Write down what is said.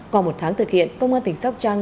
còn một tháng thực hiện công an tỉnh sóc trăng